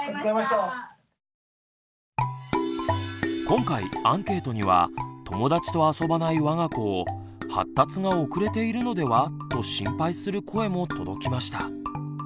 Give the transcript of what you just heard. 今回アンケートには友だちと遊ばないわが子を「発達が遅れているのでは？」と心配する声も届きました。